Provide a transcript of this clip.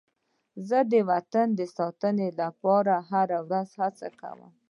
زه د وطن د ساتنې لپاره هره ورځ هڅه کوم.